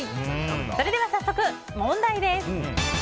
それでは早速、問題です。